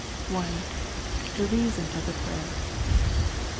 I. The Reason of the Prayer.